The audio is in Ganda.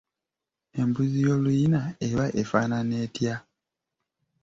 Embuzi ey’oluyina eba efaanana etya?